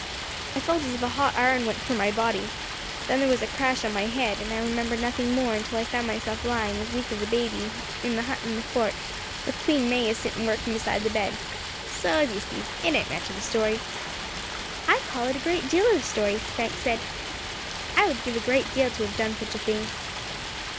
I felt as if a hot iron went through my body, then there was a crash on my head, and I remember nothing more until I found myself lying, as weak as a baby, in the hut in the fort, with Queen May a sitting working beside the bed. So, as you see, it ain't much of a story." "I call it a great deal of a story," Frank said; "I would give a great deal to have done such a thing."